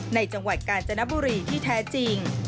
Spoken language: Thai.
จังหวัดกาญจนบุรีที่แท้จริง